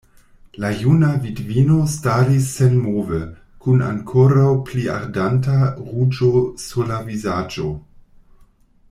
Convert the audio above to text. La juna vidvino staris senmove, kun ankoraŭ pli ardanta ruĝo sur la vizaĝo.